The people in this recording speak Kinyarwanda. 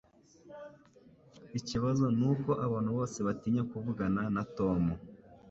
Ikibazo nuko abantu bose batinya kuvugana na Tom